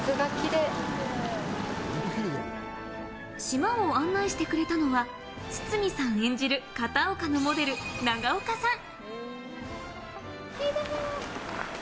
島を案内してくれたのは堤さん演じる片岡のモデル・長岡さん。